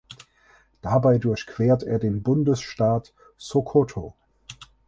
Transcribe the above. Dabei durchquert er den Bundesstaat Sokoto.